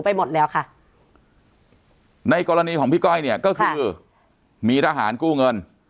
หมดแล้วค่ะในกรณีของพี่ก้อยเนี่ยก็คือมีทหารกู้เงิน